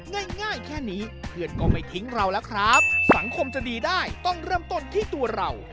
ง่ายง่ายแค่นี้เพื่อนก็ไม่ทิ้งเราแล้วครับสังคมจะดีได้ต้องเริ่มต้นที่ตัวเรา